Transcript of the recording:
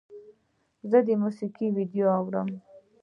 زه د موسیقۍ ویډیو اورم.